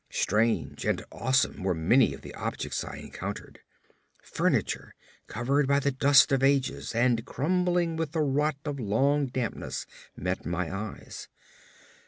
Strange and awsome were many of the objects I encountered. Furniture, covered by the dust of ages and crumbling with the rot of long dampness met my eyes.